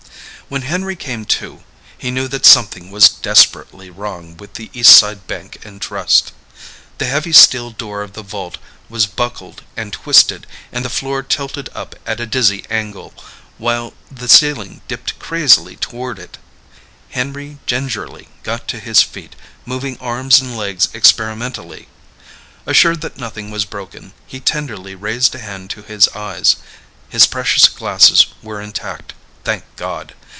When Henry came to, he knew that something was desperately wrong with the Eastside Bank & Trust. The heavy steel door of the vault was buckled and twisted and the floor tilted up at a dizzy angle, while the ceiling dipped crazily toward it. Henry gingerly got to his feet, moving arms and legs experimentally. Assured that nothing was broken, he tenderly raised a hand to his eyes. His precious glasses were intact, thank God!